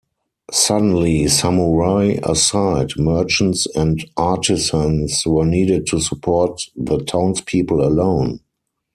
Suddenly, samurai aside, merchants and artisans were needed to support the townspeople alone.